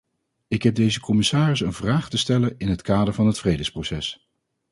Ik heb deze commissaris een vraag te stellen in het kader van het vredesproces.